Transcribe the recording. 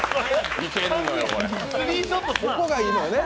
ここがいいのよね。